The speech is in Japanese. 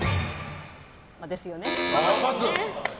ですよね。×。